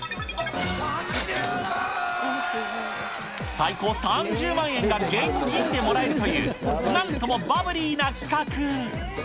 最高３０万円が現金でもらえるという、なんともバブリーな企画。